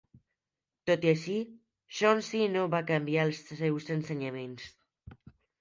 Tot i així, Chauncy no va canviar els seus ensenyaments.